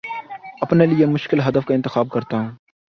اپنے لیے مشکل ہدف کا انتخاب کرتا ہوں